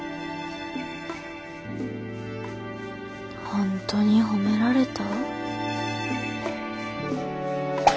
本当に褒められた？